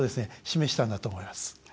示したんだと思います。